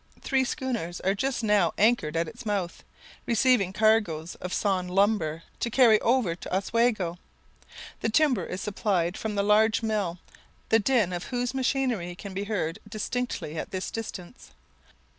Three schooners are just now anchored at its mouth, receiving cargoes of sawn lumber to carry over to Oswego. The timber is supplied from the large mill, the din of whose machinery can be heard distinctly at this distance.